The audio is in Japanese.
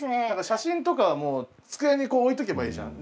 写真とかはもう机にこう置いとけばいいじゃん。